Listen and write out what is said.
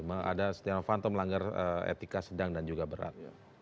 ada stiano fanto melanggar etika sedang dan juga berat